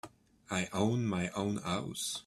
I own my own house.